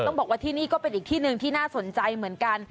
บอกว่าที่นี่ก็เป็นอีกที่หนึ่งที่น่าสนใจเหมือนกัน